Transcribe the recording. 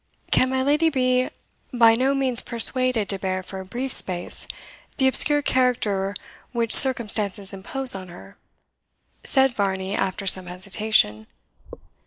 "Can my lady be by no means persuaded to bear for a brief space the obscure character which circumstances impose on her?" Said Varney after some hesitation.